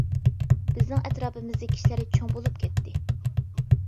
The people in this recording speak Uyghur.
بىزنىڭ ئەتراپىمىزدىكى كىشىلەر چوڭ بولۇپ كەتتى.